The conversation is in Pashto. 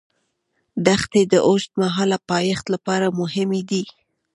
دښتې د اوږدمهاله پایښت لپاره مهمې دي.